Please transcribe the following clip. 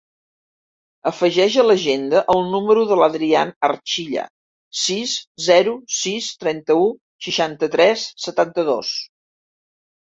Afegeix a l'agenda el número de l'Adrián Archilla: sis, zero, sis, trenta-u, seixanta-tres, setanta-dos.